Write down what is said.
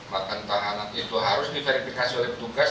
bahkan tahanan itu harus diverifikasi oleh petugas